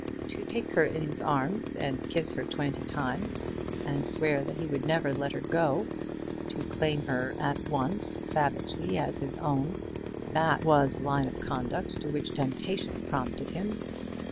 To take her in his arms, and kiss her twenty times, and swear that he would never let her go, to claim her at once savagely as his own, that was the line of conduct to which temptation prompted him.